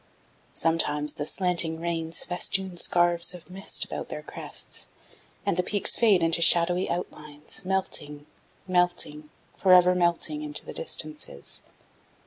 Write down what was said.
Sometimes the slanting rains festoon scarfs of mist about their crests, and the peaks fade into shadowy outlines, melting, melting, forever melting into the distances.